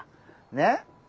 ねっ？